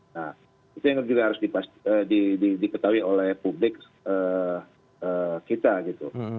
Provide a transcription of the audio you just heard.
nah itu yang juga harus diketahui oleh publik kita gitu